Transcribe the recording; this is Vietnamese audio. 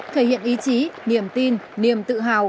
thể hiện ý chí niềm tin niềm tự hào